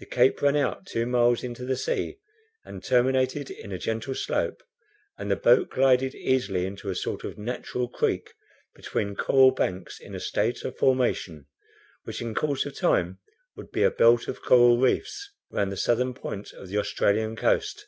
The cape ran out two miles into the sea, and terminated in a gentle slope, and the boat glided easily into a sort of natural creek between coral banks in a state of formation, which in course of time would be a belt of coral reefs round the southern point of the Australian coast.